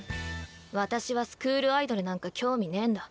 私はスクールアイドルなんか興味ねんだ。